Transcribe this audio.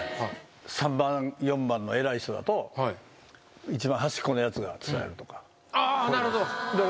３番４番の偉い人だと一番端っこのやつが伝えるとか。